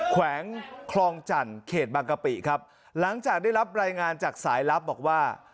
แขวงคลองจันทร์เขตบางกะปิครับหลังจากได้รับรายงานจากสายลับบอกว่า